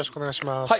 よろしくお願いします。